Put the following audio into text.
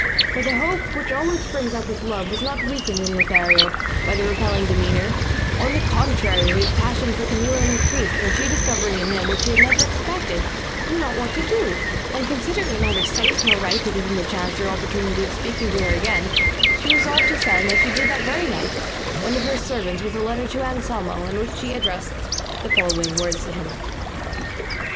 But the hope which always springs up with love was not weakened in Lothario by this repelling demeanour; on the contrary his passion for Camilla increased, and she discovering in him what she had never expected, knew not what to do; and considering it neither safe nor right to give him the chance or opportunity of speaking to her again, she resolved to send, as she did that very night, one of her servants with a letter to Anselmo, in which she addressed the following words to him.